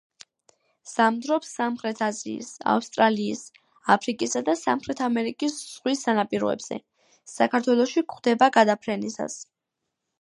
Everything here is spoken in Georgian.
ზამთრობს სამხრეთ აზიის, ავსტრალიის, აფრიკისა და სამხრეთ ამერიკის ზღვის სანაპიროებზე; საქართველოში გვხვდება გადაფრენისას.